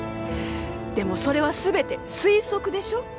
でもそれは全て推測でしょ？